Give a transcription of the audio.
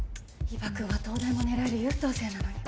伊庭くんは東大も狙える優等生なのに。